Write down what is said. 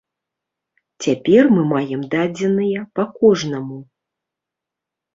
Цяпер мы маем дадзеныя па кожнаму.